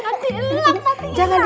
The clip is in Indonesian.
jangan dielak mati ya